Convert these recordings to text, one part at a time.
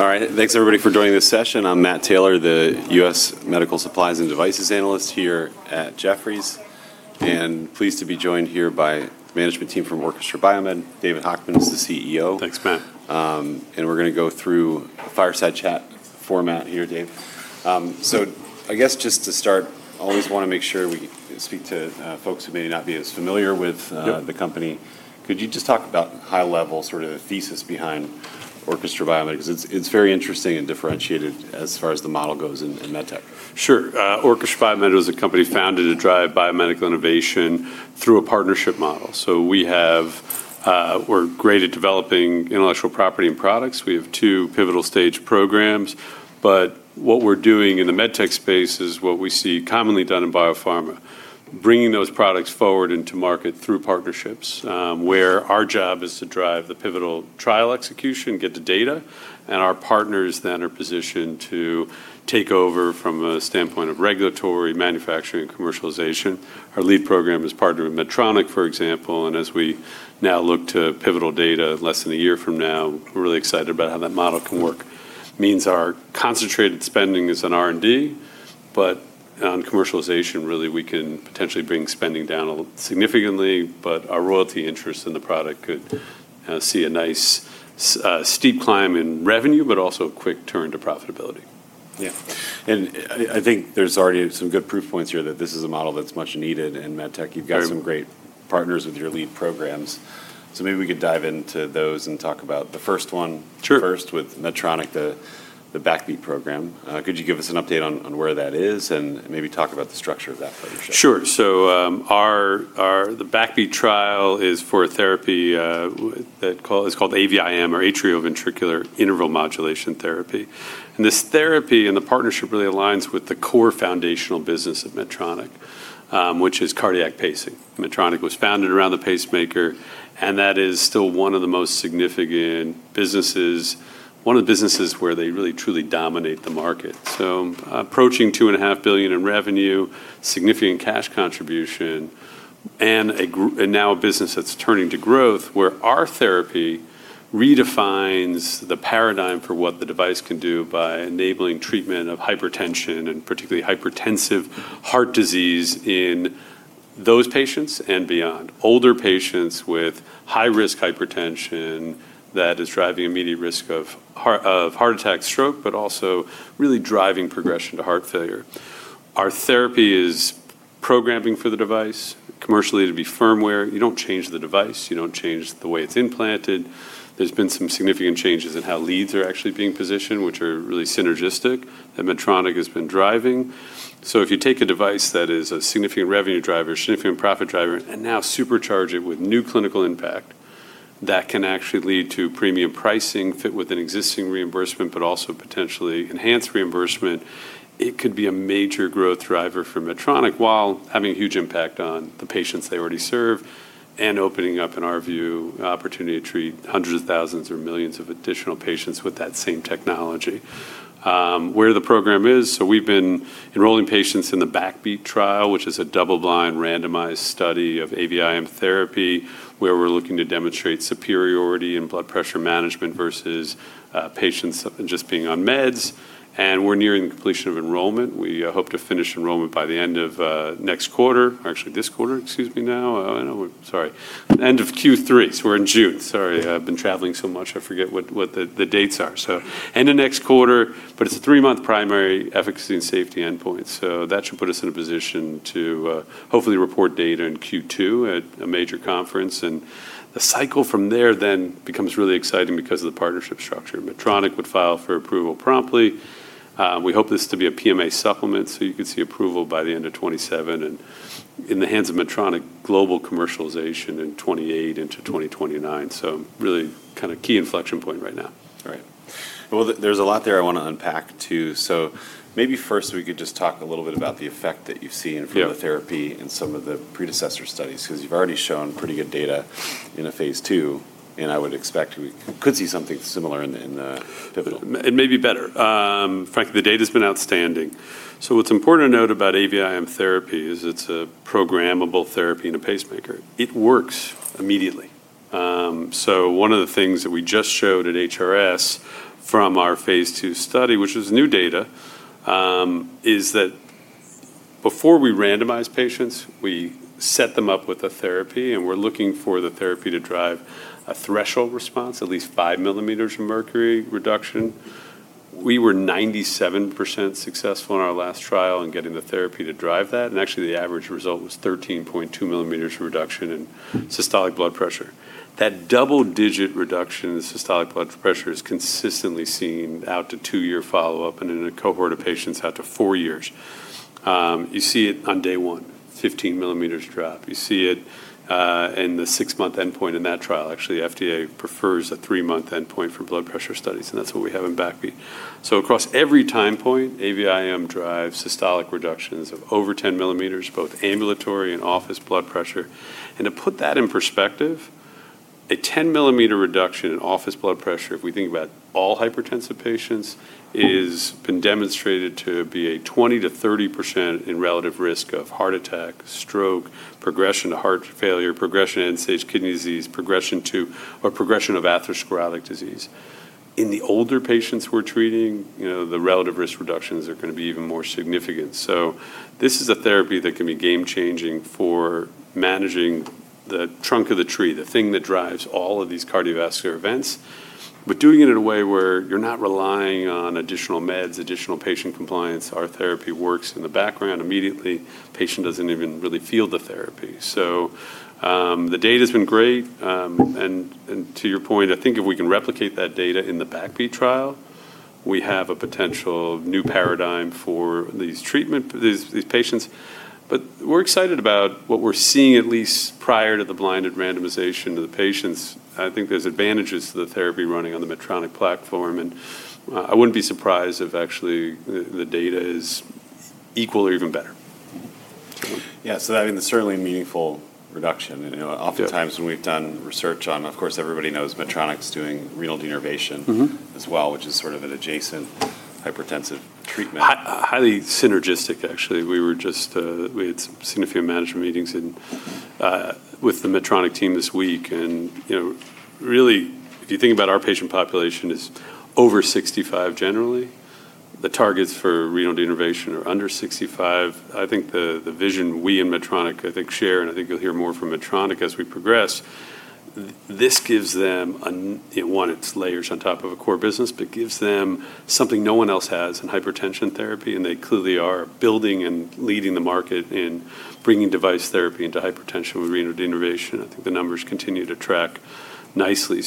All right. Thanks everybody for joining this session. I'm Matt Taylor, the U.S. Medical Supplies and Devices Analyst here at Jefferies, and pleased to be joined here by the management team from Orchestra BioMed. David Hochman is the CEO. Thanks, Matt. We're going to go through a fireside chat format here, Dave. I guess just to start, always want to make sure we speak to folks who may not be as familiar with. Yep. The company. Could you just talk about high level sort of thesis behind Orchestra BioMed? Because it's very interesting and differentiated as far as the model goes in med tech. Sure. Orchestra BioMed was a company founded to drive biomedical innovation through a partnership model. We're great at developing intellectual property and products. We have two pivotal stage programs, but what we're doing in the medtech space is what we see commonly done in biopharma, bringing those products forward into market through partnerships, where our job is to drive the pivotal trial execution, get the data, and our partners then are positioned to take over from a standpoint of regulatory, manufacturing, commercialization. Our lead program is partnered with Medtronic, for example, and as we now look to pivotal data less than a year from now, we're really excited about how that model can work. Means our concentrated spending is on R&D, but on commercialization, really, we can potentially bring spending down significantly, but our royalty interest in the product could see a nice steep climb in revenue, but also a quick turn to profitability. Yeah. I think there's already some good proof points here that this is a model that's much needed in med tech. Very much. You've got some great partners with your lead programs, so maybe we could dive into those and talk about the first one. Sure. First with Medtronic, the BackBeat program. Could you give us an update on where that is, and maybe talk about the structure of that partnership? Sure. The BackBeat trial is for a therapy that is called AVIM or atrioventricular interval modulation therapy. This therapy and the partnership really aligns with the core foundational business of Medtronic, which is cardiac pacing. Medtronic was founded around the pacemaker, and that is still one of the most significant businesses, one of the businesses where they really, truly dominate the market. Approaching $2.5 billion in revenue, significant cash contribution, and now a business that's turning to growth where our therapy redefines the paradigm for what the device can do by enabling treatment of hypertension and particularly hypertensive heart disease in those patients and beyond. Older patients with high-risk hypertension that is driving immediate risk of heart attack, stroke, but also really driving progression to heart failure. Our therapy is programming for the device commercially to be firmware. You don't change the device. You don't change the way it's implanted. There's been some significant changes in how leads are actually being positioned, which are really synergistic, that Medtronic has been driving. If you take a device that is a significant revenue driver, significant profit driver, and now supercharge it with new clinical impact, that can actually lead to premium pricing fit with an existing reimbursement, but also potentially enhance reimbursement. It could be a major growth driver for Medtronic while having a huge impact on the patients they already serve and opening up, in our view, an opportunity to treat hundreds of thousands or millions of additional patients with that same technology. Where the program is. We've been enrolling patients in the BackBeat trial, which is a double-blind, randomized study of AVIM therapy, where we're looking to demonstrate superiority in blood pressure management versus patients just being on meds, and we're nearing completion of enrollment. We hope to finish enrollment by the end of next quarter, or actually this quarter, excuse me now. I don't know, I'm sorry, end of Q3, sorry, in June. I'm sorry, I've been traveling so much, I forget what the dates are, so, and the next quarter. It's a three-month primary efficacy and safety endpoint, so that should put us in a position to hopefully report data in Q2 at a major conference. The cycle from there then becomes really exciting because of the partnership structure. Medtronic would file for approval promptly. We hope this to be a PMA supplement, so you could see approval by the end of 2027, and in the hands of Medtronic global commercialization in 2028 into 2029. Really kind of key inflection point right now. Right. Well, there's a lot there I want to unpack, too. Maybe first, we could just talk a little bit about the effect that you've seen. Yeah. From the therapy in some of the predecessor studies, because you've already shown pretty good data in a phase II, and I would expect we could see something similar in the pivotal. Maybe better. Frankly, the data's been outstanding. What's important to note about AVIM therapy is it's a programmable therapy in a pacemaker. It works immediately. One of the things that we just showed at HRS from our phase II study, which is new data, is that before we randomize patients, we set them up with a therapy, and we're looking for the therapy to drive a threshold response, at least 5 mm of mercury reduction. We were 97% successful in our last trial in getting the therapy to drive that, and actually, the average result was 13.2 mm reduction in systolic blood pressure. That double-digit reduction in systolic blood pressure is consistently seen out to two-year follow-up and in a cohort of patients out to four years. You see it on day one, 15 mm drop. You see it in the six-month endpoint in that trial. FDA prefers a three-month endpoint for blood pressure studies, and that's what we have in BackBeat. Across every time point, AVIM drives systolic reductions of over 10 mm, both ambulatory and office blood pressure. To put that in perspective, a 10 mm reduction in office blood pressure, if we think about all hypertensive patients, has been demonstrated to be a 20%-30% in relative risk of heart attack, stroke, progression to heart failure, progression to end-stage kidney disease, progression of atherosclerotic disease. In the older patients we're treating, the relative risk reductions are going to be even more significant. This is a therapy that can be game-changing for managing the trunk of the tree, the thing that drives all of these cardiovascular events, but doing it in a way where you're not relying on additional meds, additional patient compliance. Our therapy works in the background immediately. Patient doesn't even really feel the therapy. The data's been great. To your point, I think if we can replicate that data in the BackBeat trial, we have a potential new paradigm for these patients. We're excited about what we're seeing, at least prior to the blinded randomization of the patients. I think there's advantages to the therapy running on the Medtronic platform, and I wouldn't be surprised if actually the data is equal or even better. Mm-hmm. Yeah. I mean, it's certainly a meaningful reduction. Yeah. Oftentimes when we've done research on, of course, everybody knows Medtronic's doing renal denervation- as well, which is sort of an adjacent hypertensive treatment. Highly synergistic, actually. We had seen a few management meetings with the Medtronic team this week. Really, if you think about our patient population is over 65, generally. The targets for renal denervation are under 65. I think the vision we and Medtronic, I think, share. I think you'll hear more from Medtronic as we progress. One, it layers on top of a core business, gives them something no one else has in hypertension therapy. They clearly are building and leading the market in bringing device therapy into hypertension with renal denervation. I think the numbers continue to track nicely.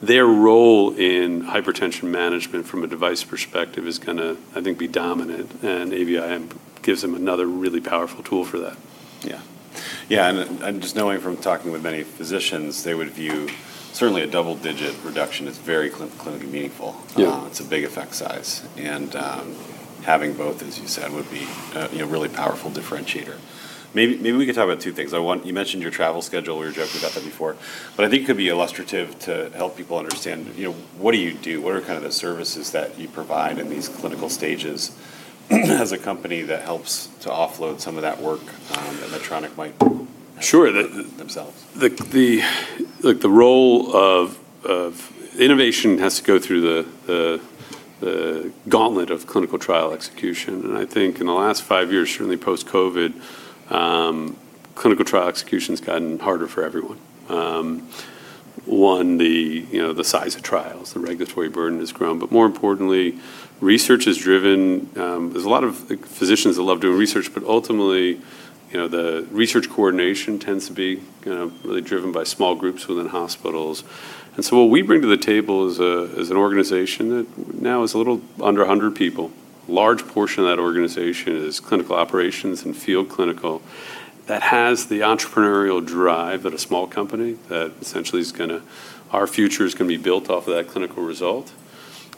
Their role in hypertension management from a device perspective is going to, I think, be dominant. AVIM gives them another really powerful tool for that. Yeah. Just knowing from talking with many physicians, they would view certainly a double-digit reduction as very clinically meaningful. Yeah. It's a big effect size. Having both, as you said, would be a really powerful differentiator. Maybe we could talk about two things. You mentioned your travel schedule. We were joking about that before, but I think it could be illustrative to help people understand what do you do? What are the services that you provide in these clinical stages as a company that helps to offload some of that work that Medtronic might have. Sure. Themselves. The role of innovation has to go through the gauntlet of clinical trial execution, I think in the last five years, certainly post-COVID, clinical trial execution's gotten harder for everyone. One, the size of trials, the regulatory burden has grown, more importantly, research is driven. There's a lot of physicians that love doing research, ultimately, the research coordination tends to be really driven by small groups within hospitals. What we bring to the table as an organization that now is a little under 100 people, large portion of that organization is clinical operations and field clinical that has the entrepreneurial drive at a small company that essentially our future is going to be built off of that clinical result.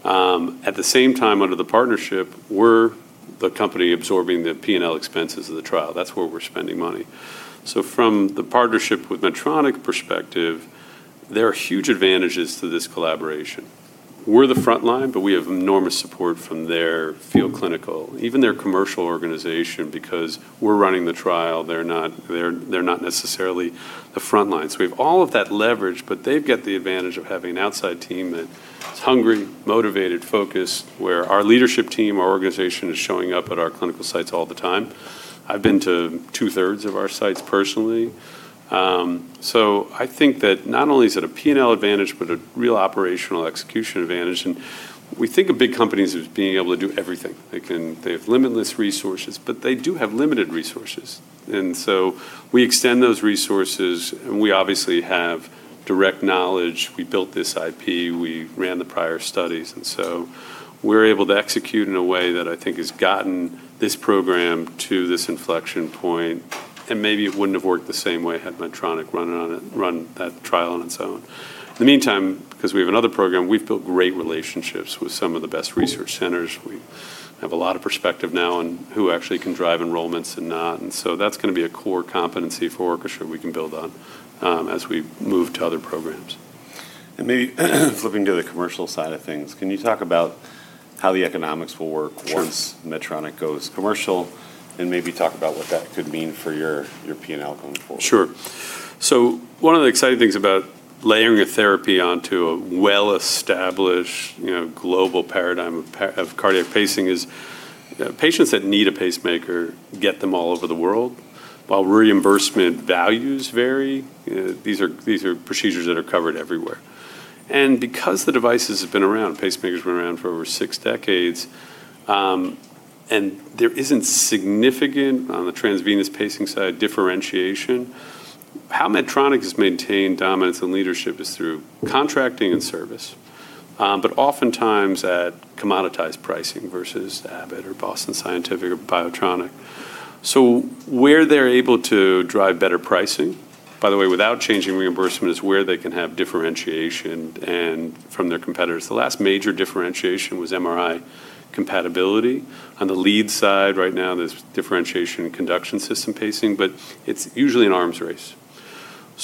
At the same time, under the partnership, we're the company absorbing the P&L expenses of the trial. That's where we're spending money. From the partnership with Medtronic perspective, there are huge advantages to this collaboration. We're the frontline, but we have enormous support from their field clinical, even their commercial organization, because we're running the trial. They're not necessarily the front line. We have all of that leverage, but they've got the advantage of having an outside team that's hungry, motivated, focused, where our leadership team, our organization is showing up at our clinical sites all the time. I've been to two-thirds of our sites personally. I think that not only is it a P&L advantage, but a real operational execution advantage. We think of big companies as being able to do everything. They have limitless resources, but they do have limited resources, and so we extend those resources, and we obviously have direct knowledge. We built this IP. We ran the prior studies, and so we're able to execute in a way that I think has gotten this program to this inflection point, and maybe it wouldn't have worked the same way had Medtronic run that trial on its own. In the meantime, because we have another program, we've built great relationships with some of the best research centers. We have a lot of perspective now on who actually can drive enrollments and not. That's going to be a core competency for Orchestra we can build on as we move to other programs. Maybe flipping to the commercial side of things, can you talk about how the economics will work? Sure. Once Medtronic goes commercial, and maybe talk about what that could mean for your P&L going forward? Sure. One of the exciting things about layering a therapy onto a well-established global paradigm of cardiac pacing is patients that need a pacemaker get them all over the world. While reimbursement values vary, these are procedures that are covered everywhere. Because the devices have been around, pacemakers have been around for over six decades, and there isn't significant, on the transvenous pacing side, differentiation. How Medtronic has maintained dominance and leadership is through contracting and service. Oftentimes at commoditized pricing versus Abbott or Boston Scientific or BIOTRONIK. Where they're able to drive better pricing, by the way, without changing reimbursement, is where they can have differentiation from their competitors. The last major differentiation was MRI compatibility. On the lead side, right now, there's differentiation in conduction system pacing, but it's usually an arms race.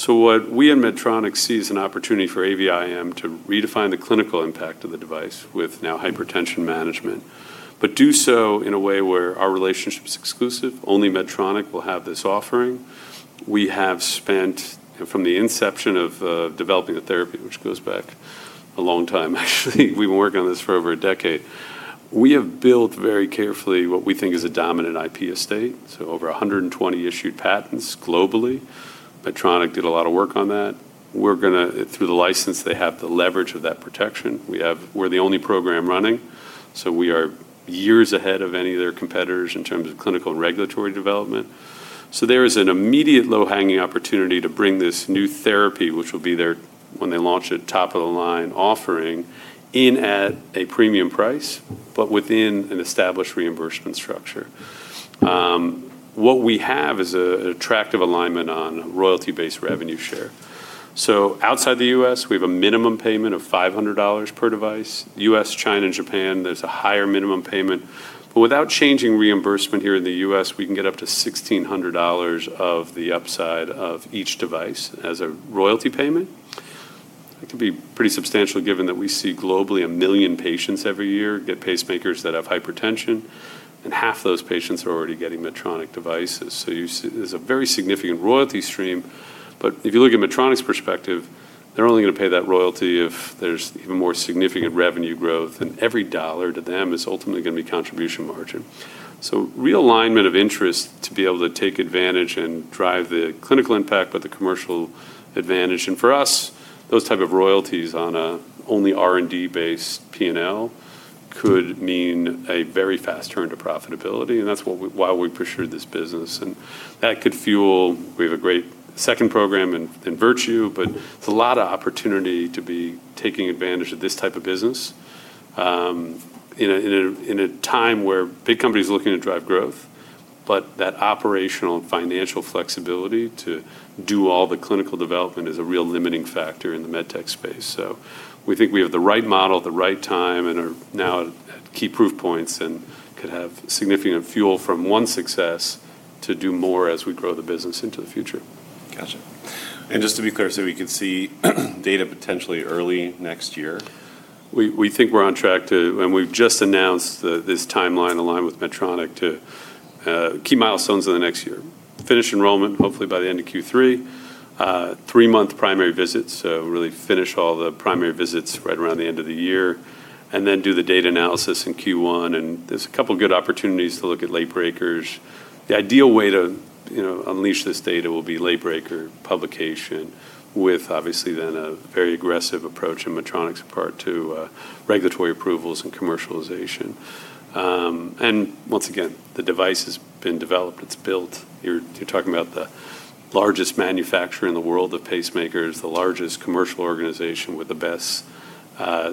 What we and Medtronic sees an opportunity for AVIM to redefine the clinical impact of the device with now hypertension management, but do so in a way where our relationship's exclusive. Only Medtronic will have this offering. We have spent from the inception of developing the therapy, which goes back a long time, actually. We've been working on this for over a decade. We have built very carefully what we think is a dominant IP estate. Over 120 issued patents globally. Medtronic did a lot of work on that. Through the license, they have the leverage of that protection. We're the only program running, so we are years ahead of any of their competitors in terms of clinical and regulatory development. There is an immediate low-hanging opportunity to bring this new therapy, which will be their, when they launch it, top-of-the-line offering in at a premium price, but within an established reimbursement structure. What we have is an attractive alignment on royalty-based revenue share. Outside the U.S., we have a minimum payment of $500 per device. U.S., China, and Japan, there's a higher minimum payment. Without changing reimbursement here in the U.S., we can get up to $1,600 of the upside of each device as a royalty payment. That could be pretty substantial given that we see globally 1 million patients every year get pacemakers that have hypertension, and half those patients are already getting Medtronic devices. There's a very significant royalty stream, but if you look at Medtronic's perspective, they're only going to pay that royalty if there's even more significant revenue growth, and every dollar to them is ultimately going to be contribution margin. Real alignment of interest to be able to take advantage and drive the clinical impact, but the commercial advantage. For us, those type of royalties on an only R&D base P&L could mean a very fast turn to profitability, and that's why we pursued this business. We have a great second program in Virtue, but there's a lot of opportunity to be taking advantage of this type of business, in a time where big company's looking to drive growth, but that operational and financial flexibility to do all the clinical development is a real limiting factor in the med tech space. We think we have the right model at the right time and are now at key proof points and could have significant fuel from one success to do more as we grow the business into the future. Got you. Just to be clear, we could see data potentially early next year? We think we're on track to, and we've just announced this timeline aligned with Medtronic to key milestones in the next year. Finish enrollment, hopefully by the end of Q3. Three-month primary visits, so really finish all the primary visits right around the end of the year. Then do the data analysis in Q1, and there's a couple good opportunities to look at late breakers. The ideal way to unleash this data will be late breaker publication with obviously then a very aggressive approach on Medtronic's part to regulatory approvals and commercialization. Once again, the device has been developed. It's built. You're talking about the largest manufacturer in the world of pacemakers, the largest commercial organization with the best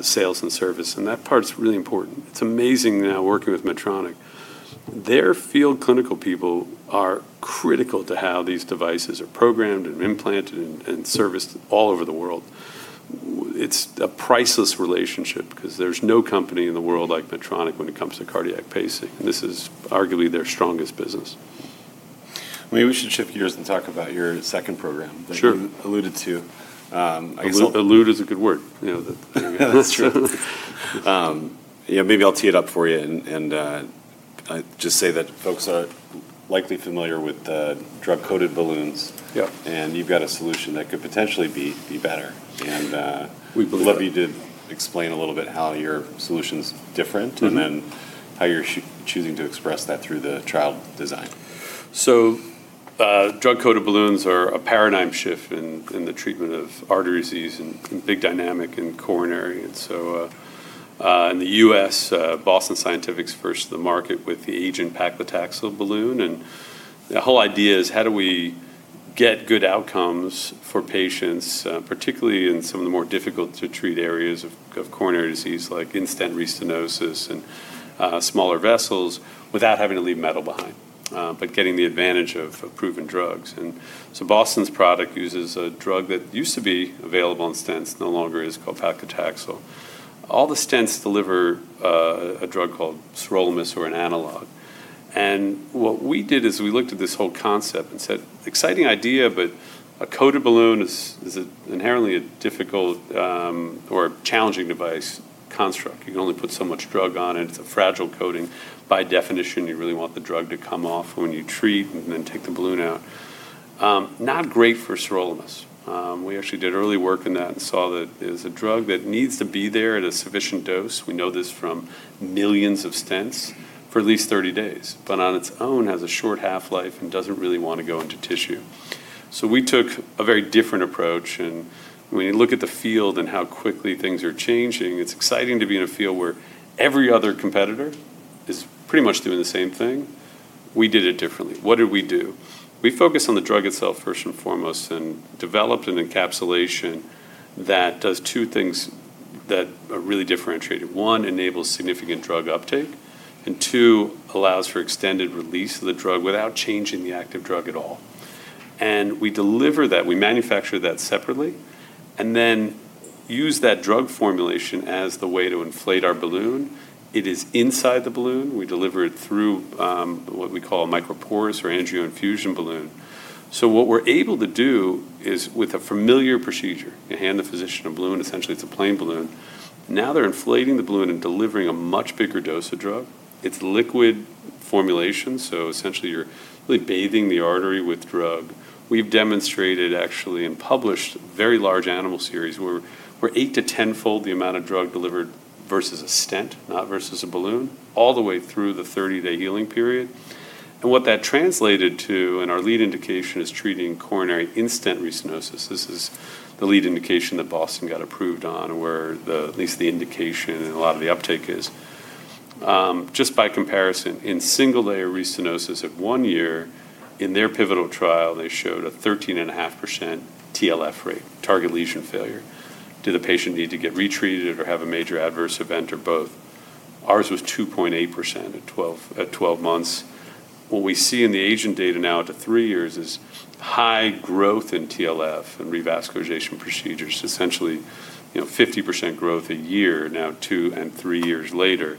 sales and service, and that part's really important. It's amazing now working with Medtronic. Their field clinical people are critical to how these devices are programmed and implanted and serviced all over the world. It's a priceless relationship because there's no company in the world like Medtronic when it comes to cardiac pacing, and this is arguably their strongest business. Maybe we should shift gears and talk about your second program. Sure. That you alluded to. Allude is a good word. That's true. Yeah, maybe I'll tee it up for you and just say that folks are likely familiar with drug-coated balloons. Yep. You've got a solution that could potentially be better. We believe. Love you to explain a little bit how your solution's different. How you're choosing to express that through the trial design. Drug-coated balloons are a paradigm shift in the treatment of artery disease and big dynamic and coronary. In the U.S., Boston Scientific's first to the market with the AGENT paclitaxel balloon. The whole idea is how do we get good outcomes for patients, particularly in some of the more difficult-to-treat areas of coronary disease, like in-stent restenosis and smaller vessels, without having to leave metal behind, but getting the advantage of proven drugs. Boston's product uses a drug that used to be available in stents, no longer is, called paclitaxel. All the stents deliver a drug called sirolimus or an analog. What we did is we looked at this whole concept and said, "Exciting idea, but a coated balloon is inherently a difficult or challenging device construct. You can only put so much drug on it. It's a fragile coating. By definition, you really want the drug to come off when you treat and then take the balloon out." Not great for sirolimus. We actually did early work in that and saw that it is a drug that needs to be there at a sufficient dose, we know this from millions of stents, for at least 30 days, but on its own, has a short half-life and doesn't really want to go into tissue. We took a very different approach, and when you look at the field and how quickly things are changing, it's exciting to be in a field where every other competitor is pretty much doing the same thing. We did it differently. What did we do? We focused on the drug itself, first and foremost, and developed an encapsulation that does two things that are really differentiated. One, enables significant drug uptake, two, allows for extended release of the drug without changing the active drug at all. We deliver that, we manufacture that separately, then use that drug formulation as the way to inflate our balloon. It is inside the balloon. We deliver it through what we call microporous or AngioInfusion balloon. What we're able to do is with a familiar procedure, you hand the physician a balloon, essentially it's a plain balloon. Now they're inflating the balloon and delivering a much bigger dose of drug. It's liquid formulation. Essentially, you're really bathing the artery with drug. We've demonstrated actually and published very large animal series where 8 to 10-fold the amount of drug delivered versus a stent, not versus a balloon, all the way through the 30-day healing period. What that translated to in our lead indication is treating coronary in-stent restenosis. This is the lead indication that Boston got approved on, where at least the indication and a lot of the uptake is. Just by comparison, in single layer restenosis at one year, in their pivotal trial, they showed a 13.5% TLF rate, target lesion failure. Did a patient need to get retreated or have a major adverse event or both? Ours was 2.8% at 12 months. What we see in the AGENT data now to three years is high growth in TLF and revascularization procedures, essentially 50% growth a year now, two and three years later.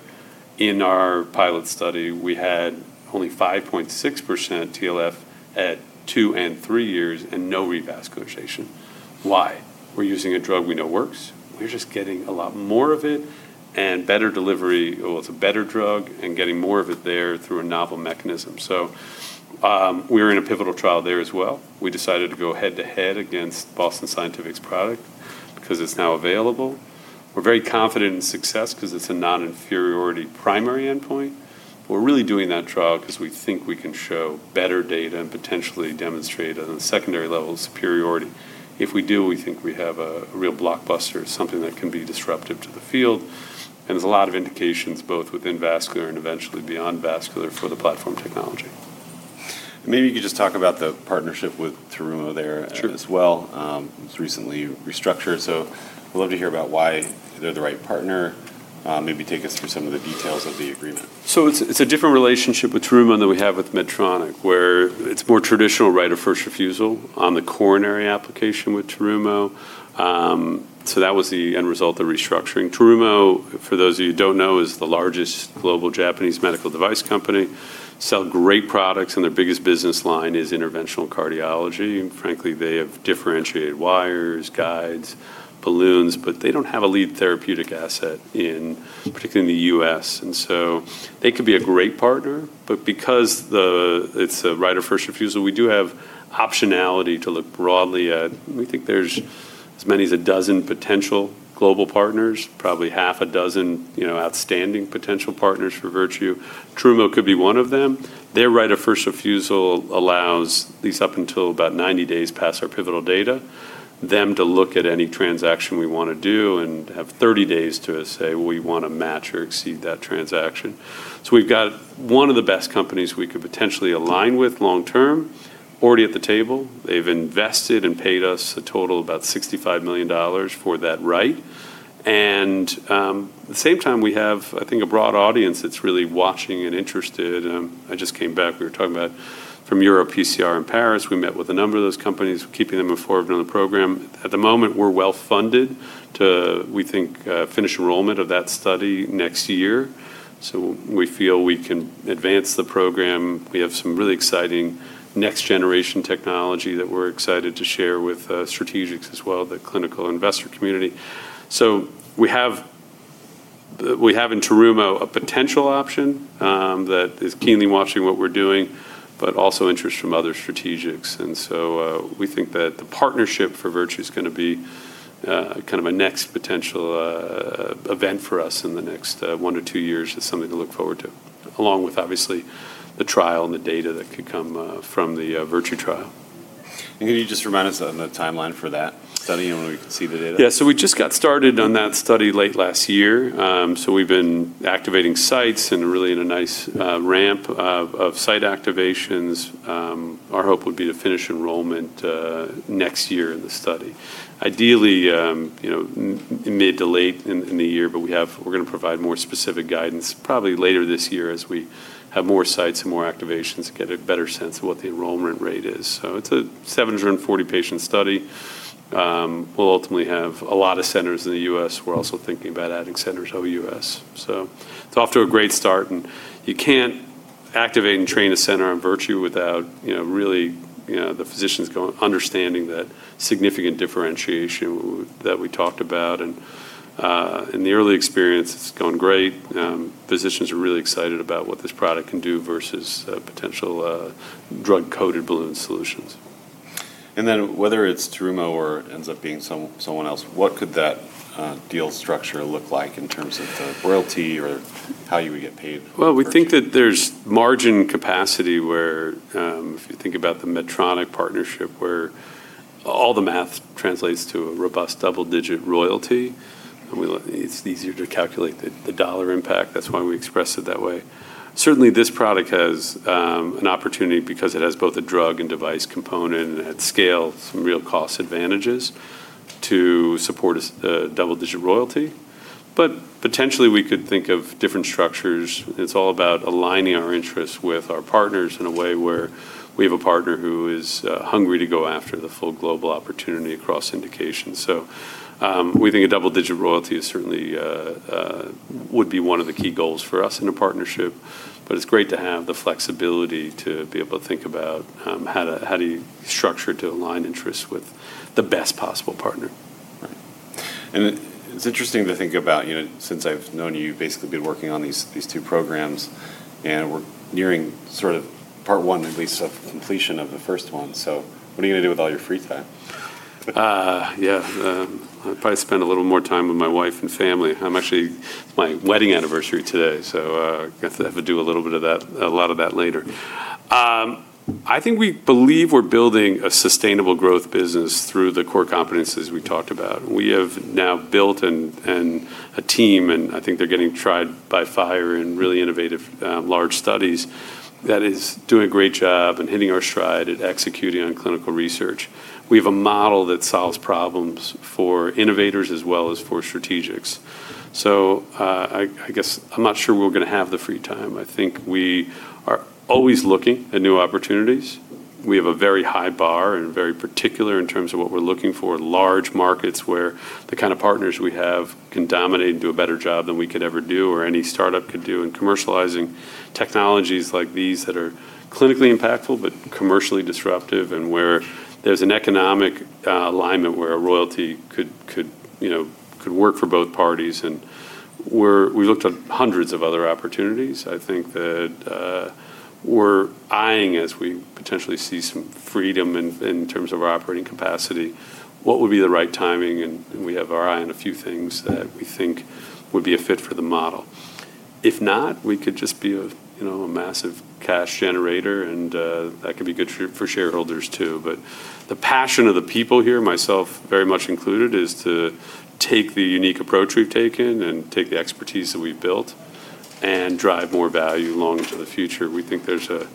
In our pilot study, we had only 5.6% TLF at two and three years and no revascularization. Why? We're using a drug we know works. We're just getting a lot more of it and better delivery. Well, it's a better drug and getting more of it there through a novel mechanism. We're in a pivotal trial there as well. We decided to go head-to-head against Boston Scientific's product because it's now available. We're very confident in success because it's a non-inferiority primary endpoint. We're really doing that trial because we think we can show better data and potentially demonstrate on a secondary level superiority. If we do, we think we have a real blockbuster, something that can be disruptive to the field, and there's a lot of indications both within vascular and eventually beyond vascular for the platform technology. Maybe you could just talk about the partnership with Terumo there? Sure. As well. It was recently restructured, I would love to hear about why they're the right partner. Maybe take us through some of the details of the agreement. It's a different relationship with Terumo than we have with Medtronic, where it's more traditional right of first refusal on the coronary application with Terumo. That was the end result of the restructuring. Terumo, for those of you who don't know, is the largest global Japanese medical device company. Sell great products, their biggest business line is interventional cardiology. Frankly, they have differentiated wires, guides, balloons, but they don't have a lead therapeutic asset, particularly in the U.S. They could be a great partner, but because it's a right of first refusal, we do have optionality to look broadly at. We think there's as many as a dozen potential global partners, probably half a dozen outstanding potential partners for Virtue. Terumo could be one of them. Their right of first refusal allows, at least up until about 90 days past our pivotal data, them to look at any transaction we want to do and have 30 days to say, "We want to match or exceed that transaction." We've got one of the best companies we could potentially align with long term already at the table. They've invested and paid us a total of about $65 million for that right. At the same time, we have, I think, a broad audience that's really watching and interested. I just came back, we were talking about from Europe, PCR in Paris. We met with a number of those companies. We're keeping them informed on the program. At the moment, we're well-funded to, we think, finish enrollment of that study next year. We feel we can advance the program. We have some really exciting next-generation technology that we're excited to share with strategics as well, the clinical investor community. We have in Terumo a potential option that is keenly watching what we're doing, but also interest from other strategics. We think that the partnership for Virtue is going to be kind of a next potential event for us in the next one to two years as something to look forward to, along with obviously the trial and the data that could come from the Virtue trial. Can you just remind us on the timeline for that study and when we can see the data? We just got started on that study late last year. We've been activating sites and are really in a nice ramp of site activations. Our hope would be to finish enrollment next year in the study. Ideally, mid to late in the year, we're going to provide more specific guidance probably later this year as we have more sites and more activations to get a better sense of what the enrollment rate is. It's a 740-patient study. We'll ultimately have a lot of centers in the U.S. We're also thinking about adding centers out of the U.S. It's off to a great start, and you can't activate and train a center on Virtue without really the physicians understanding that significant differentiation that we talked about. In the early experience, it's gone great. Physicians are really excited about what this product can do versus potential drug-coated balloon solutions. Whether it's Terumo or it ends up being someone else, what could that deal structure look like in terms of the royalty or how you would get paid? Well, we think that there's margin capacity where, if you think about the Medtronic partnership, where all the math translates to a robust double-digit royalty, and it's easier to calculate the dollar impact, that's why we express it that way. Certainly, this product has an opportunity because it has both a drug and device component and at scale, some real cost advantages to support a double-digit royalty, but potentially we could think of different structures. It's all about aligning our interests with our partners in a way where we have a partner who is hungry to go after the full global opportunity across indications. We think a double-digit royalty certainly would be one of the key goals for us in a partnership, but it's great to have the flexibility to be able to think about how do you structure to align interests with the best possible partner. It's interesting to think about, since I've known you, basically been working on these two programs, and we're nearing part one, at least, of completion of the first one. What are you going to do with all your free time? I'll probably spend a little more time with my wife and family. It's my wedding anniversary today. Got to have a do a little bit of that, a lot of that later. I think we believe we're building a sustainable growth business through the core competencies we talked about. We have now built a team, I think they're getting tried by fire in really innovative, large studies that is doing a great job and hitting our stride at executing on clinical research. We have a model that solves problems for innovators as well as for strategics. I guess I'm not sure we're going to have the free time. I think we are always looking at new opportunities. We have a very high bar and very particular in terms of what we're looking for. Large markets where the kind of partners we have can dominate and do a better job than we could ever do or any startup could do in commercializing technologies like these that are clinically impactful, but commercially disruptive and where there's an economic alignment where a royalty could work for both parties. We looked at hundreds of other opportunities. I think that we're eyeing, as we potentially see some freedom in terms of our operating capacity, what would be the right timing. We have our eye on a few things that we think would be a fit for the model. If not, we could just be a massive cash generator. That could be good for shareholders, too. The passion of the people here, myself very much included, is to take the unique approach we've taken and take the expertise that we've built and drive more value long into the future. We think there's a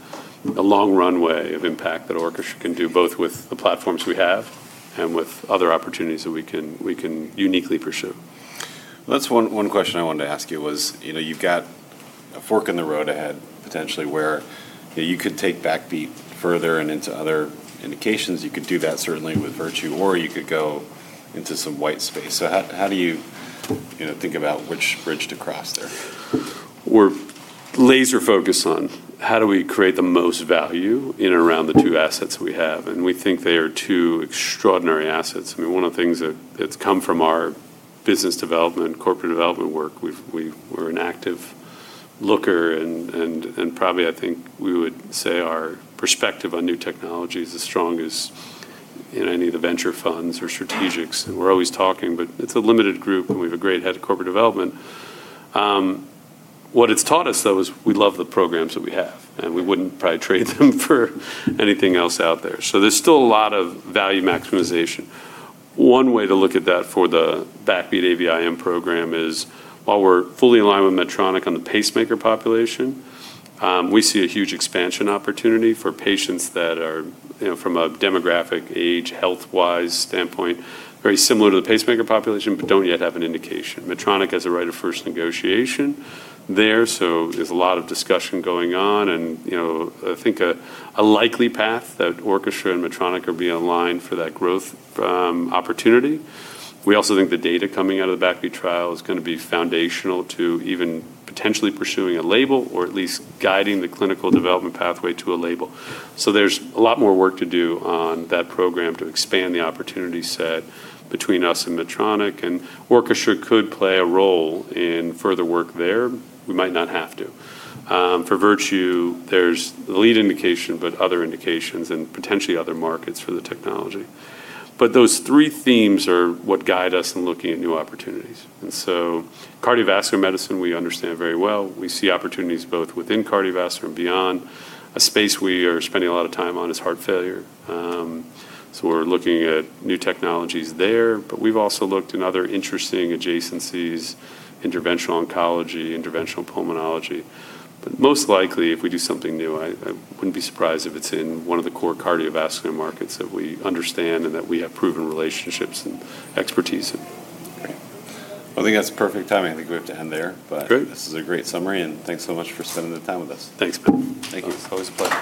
long runway of impact that Orchestra can do, both with the platforms we have and with other opportunities that we can uniquely pursue. That's one question I wanted to ask you was, you've got a fork in the road ahead, potentially, where you could take BackBeat further and into other indications. You could do that certainly with Virtue, or you could go into some white space. How do you think about which bridge to cross there? We're laser focused on how do we create the most value in and around the two assets we have. We think they are two extraordinary assets. One of the things that's come from our business development and corporate development work, we're an active looker and probably, I think, we would say our perspective on new technology is as strong as any of the venture funds or strategics. We're always talking, but it's a limited group and we have a great head of corporate development. What it's taught us, though, is we love the programs that we have. We wouldn't probably trade them for anything else out there. There's still a lot of value maximization. One way to look at that for the BackBeat AVIM program is while we're fully aligned with Medtronic on the pacemaker population, we see a huge expansion opportunity for patients that are from a demographic age, health-wise standpoint, very similar to the pacemaker population, but don't yet have an indication. Medtronic has a right of first negotiation there, so there's a lot of discussion going on, and I think a likely path that Orchestra and Medtronic are being aligned for that growth opportunity. We also think the data coming out of the BackBeat trial is going to be foundational to even potentially pursuing a label or at least guiding the clinical development pathway to a label. There's a lot more work to do on that program to expand the opportunity set between us and Medtronic, and Orchestra could play a role in further work there. We might not have to. For Virtue, there's the lead indication, but other indications and potentially other markets for the technology. Those three themes are what guide us in looking at new opportunities. Cardiovascular medicine we understand very well. We see opportunities both within cardiovascular and beyond. A space we are spending a lot of time on is heart failure. We're looking at new technologies there, but we've also looked in other interesting adjacencies, interventional oncology, interventional pulmonology. Most likely, if we do something new, I wouldn't be surprised if it's in one of the core cardiovascular markets that we understand and that we have proven relationships and expertise in. Great. Well, I think that's perfect timing. I think we have to end there. Great. This is a great summary, and thanks so much for spending the time with us. Thanks, Matt. Thank you. It's always a pleasure.